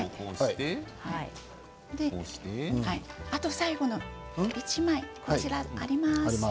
最後の１枚こちらにあります。